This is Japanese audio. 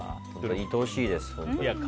いとおしいです、本当。